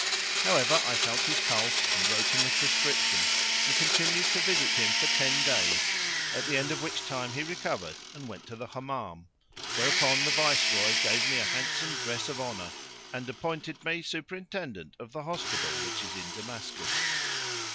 However I felt his pulse and wrote him a prescription and continued to visit him for ten days, at the end of which time he recovered and went to the Hammam,[FN#573] whereupon the Viceroy gave me a handsome dress of honour and appointed me superintendent of the hospital which is in Damascus.